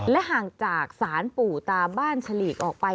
และห่างจากศาลปู่ตาบ้านฉลีกออกไป